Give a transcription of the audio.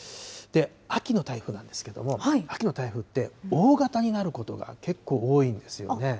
秋の台風なんですけれども、秋の台風って、大型になることが結構多いんですよね。